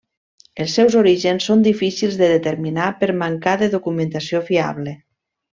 Els seus orígens són difícils de determinar per mancar de documentació fiable.